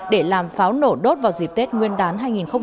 để làm pháo nổ đốt vào dịp tết nguyên đán hai nghìn hai mươi